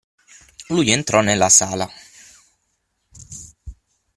Lui entrò nella sala.